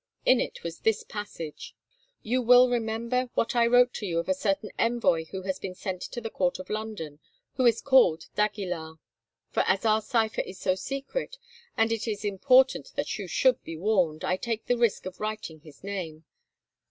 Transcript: In it was this passage: "You will remember what I wrote to you of a certain envoy who has been sent to the Court of London, who is called d'Aguilar, for as our cipher is so secret, and it is important that you should be warned, I take the risk of writing his name.